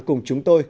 cùng chúng tôi